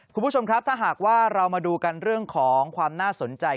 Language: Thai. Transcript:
คุณผู้ชมครับถ้าหากว่าเรามาดูกันเรื่องของความน่าสนใจ